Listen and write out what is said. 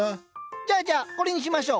じゃあじゃあこれにしましょう。